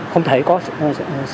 không thể có một kế hoạch